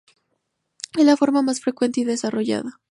Es la forma más frecuente y desarrollada.